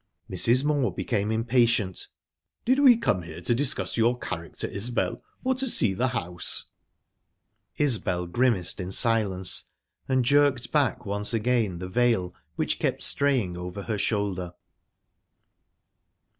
Mrs. Moor became impatient. "Did we come here to discuss your character, Isbel, or to see the house?" Isbel grimaced in silence, and jerked back once again the veil which kept straying over her shoulder.